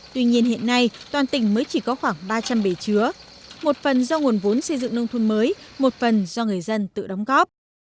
tuy nhiên hiện nay toàn tỉnh mới chỉ có khoảng ba trăm linh bể chứa một phần do nguồn vốn xây dựng nông thôn mới một phần do người dân tự đóng góp